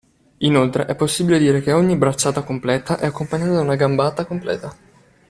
Inoltre, è possibile dire che ogni bracciata completa è accompagnata da una gambata completa.